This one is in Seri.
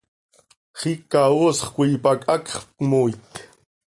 Xiica oosx coi pac hacx cömooit.